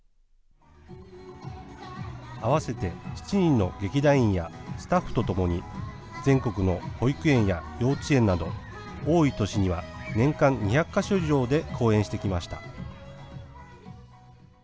合わせて７人の劇団員やスタッフと共に、全国の保育園や幼稚園など、多い年には年間２００か所以上で公演してきました。